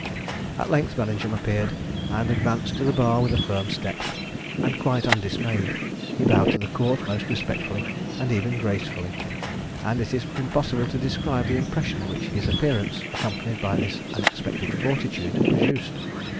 At length Bellingham appeared, and advanced to the bar with a firm step, and quite undismayed. He bowed to the court most respectfully, and even gracefully; and it is impossible to describe the impression which his appearance, accompanied by this unexpected fortitude, produced.